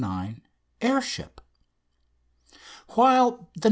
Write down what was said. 9" air ship. While the "No.